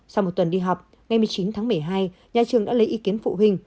sau một tuần đi học ngày một mươi chín tháng một mươi hai nhà trường đã lấy ý kiến phụ huynh